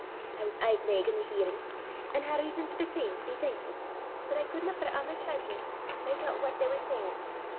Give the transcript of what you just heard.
I was aye gleg i' the hearin', an' hae rizzon for the same to be thankfu', but I couldna, for a' my sharpness, mak oot what they war sayin'.